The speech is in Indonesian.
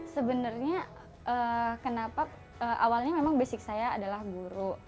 sebenarnya kenapa awalnya memang basic saya adalah guru